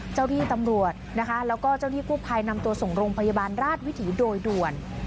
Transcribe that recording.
เจ้าที่ตำรวจนะคะแล้วก็เจ้าหน้าที่กู้ภัยนำตัวส่งโรงพยาบาลราชวิถีโดยด่วน